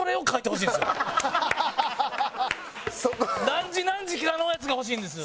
何時何時からのやつが欲しいんです。